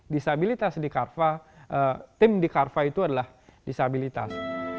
disabilitas di carva tim di carva itu adalah disabilitas